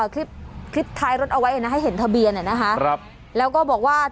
คลิปคลิปท้ายรถเอาไว้นะให้เห็นทะเบียนอ่ะนะคะครับแล้วก็บอกว่า